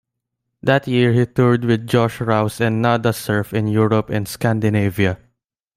That year he toured with Josh Rouse and Nada Surf in Europe and Scandinavia.